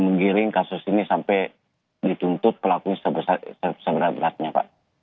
menggiring kasus ini sampai dituntut pelakunya seberat beratnya pak